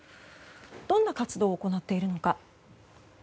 どんな活動を行っているのか。